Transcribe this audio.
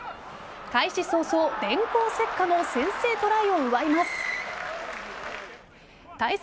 開始早々電光石火の先制トライを奪います。